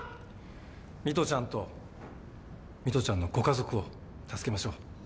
美都ちゃんと美都ちゃんのご家族を助けましょう。